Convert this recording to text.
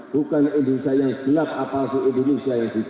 bukan indonesia yang gelap apalagi indonesia yang hijau